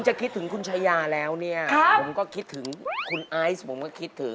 ชุดเจ้าเบาสมมุทธ